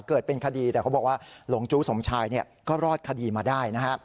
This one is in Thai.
เกิดเป็นคดีแต่เขาบอกว่าหลงจู้สมชายก็รอดคดีมาได้นะฮะ